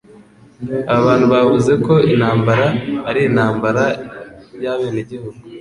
Aba bantu bavuze ko intambara ari intambara y'abenegihugu.